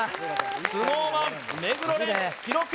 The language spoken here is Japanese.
ＳｎｏｗＭａｎ目黒蓮記録